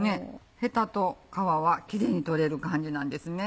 ヘタと皮はキレイに取れる感じなんですね。